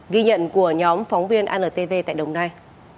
ghi nhận của nhóm phóng viên antv tại đồng nai